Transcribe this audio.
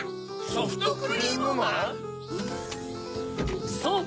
ソフトクリームマン？